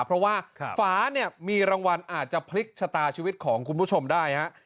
เพราะว่าฝาเนี่ยมีรางวัลอาจจะพลิกชะตาชีวิตของคุณผู้ชมได้ฮะ